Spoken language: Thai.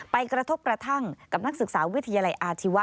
กระทบกระทั่งกับนักศึกษาวิทยาลัยอาชีวะ